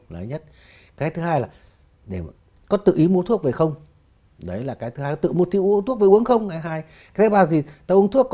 bạn phải giữ